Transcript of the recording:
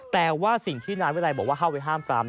แต่ว่าสิ่งที่นายวิรัยบอกว่าเข้าไปห้ามปราม